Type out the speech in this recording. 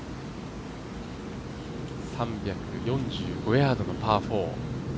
３４５ヤードのパー４。